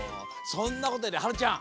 そんなことよりはるちゃん。